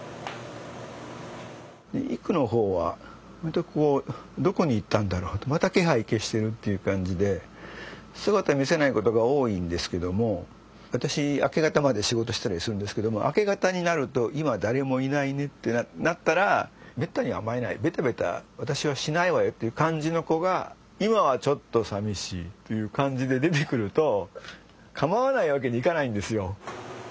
いくの方はまたどこに行ったんだろうとまた気配消してるっていう感じで姿を見せないことが多いんですけども私明け方まで仕事したりするんですけども明け方になると今誰もいないねってなったらめったに甘えないベタベタ私はしないわよっていう感じの子が今はちょっと寂しいという感じで出てくると構わないわけにいかないんですよ。